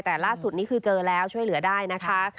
แต่ล่าสุดนี้คือเจอแล้วช่วยเหลือได้นะคะ